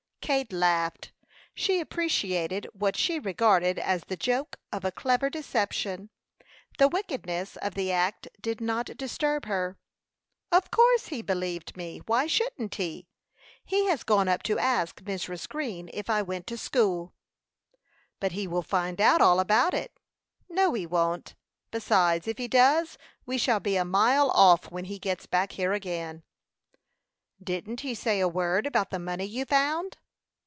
Kate laughed; she appreciated what she regarded as the joke of a clever deception; the wickedness of the act did not disturb her. "Of course he believed me why shouldn't he? He has gone up to ask Mrs. Green if I went to school." "But he will find out all about it." "No, he won't; besides, if he does, we shall be a mile off when he gets back here again." "Didn't he say a word about the money you found?"